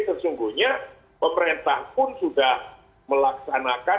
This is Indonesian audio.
sesungguhnya pemerintah pun sudah melaksanakan